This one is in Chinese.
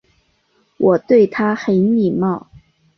我对他很礼貌